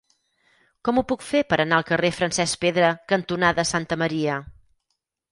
Com ho puc fer per anar al carrer Francesc Pedra cantonada Santa Maria?